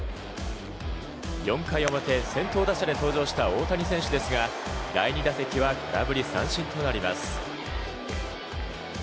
４回表、先頭打者で登場した大谷選手ですが、第２打席は空振り三振となります。